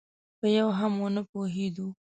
په یوه هم ونه پوهېدو.